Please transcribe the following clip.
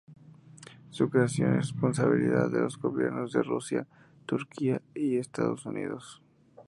Su creación es responsabilidad de los gobiernos de Rusia, Turquía y Estados Unidos.